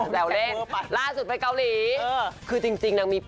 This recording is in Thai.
แววเล่นล่าสุดไปเกาหลีคือจริงนางมี